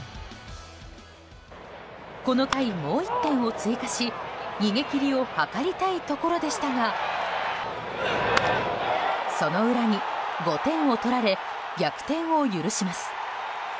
この回、もう１点を追加し逃げ切りを図りたいところでしたがその裏に、５点を取られ逆転を許します。